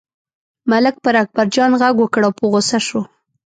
ملک پر اکبرجان غږ وکړ او په غوسه شو.